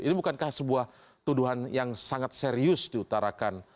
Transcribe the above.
ini bukankah sebuah tuduhan yang sangat serius diutarakan